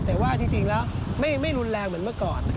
แต่ว่าจริงแล้วไม่รุนแรงเหมือนเมื่อก่อน